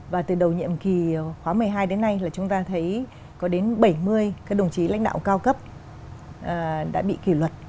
và từ đầu nhiệm kỳ khóa một mươi hai đến nay là chúng ta thấy có đến bảy mươi các đồng chí lãnh đạo cao cấp đã bị kỷ luật